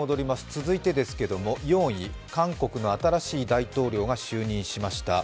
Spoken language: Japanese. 続いてですけれども４位、韓国の新しい大統領が就任しました。